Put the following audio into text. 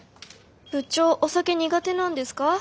部長お酒苦手なんですか？